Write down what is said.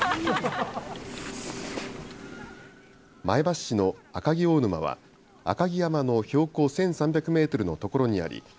前橋市の赤城大沼は赤城山の標高１３００メートルの所にあり